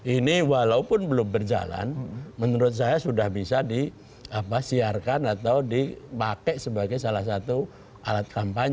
ini walaupun belum berjalan menurut saya sudah bisa di apa siarkan atau di pakai sebagai salah satu alat kampanye